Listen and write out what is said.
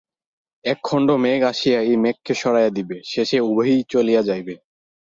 একখণ্ড মেঘ আসিয়া এই মেঘকে সরাইয়া দিবে, শেষে উভয়েই চলিয়া যাইবে।